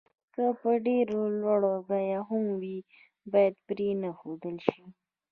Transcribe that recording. که په ډېره لوړه بيه هم وي بايد پرې نه ښودل شي.